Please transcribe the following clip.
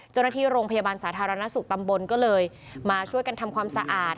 เจ้าหน้าที่โรงพยาบาลสาธารณสุขตำบลก็เลยมาช่วยกันทำความสะอาด